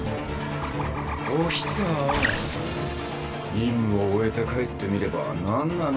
任務を終えて帰ってみればなんなの？